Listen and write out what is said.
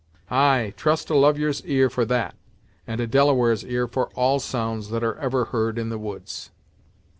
"Ay, trust a lovyer's ear for that, and a Delaware's ear for all sounds that are ever heard in the woods.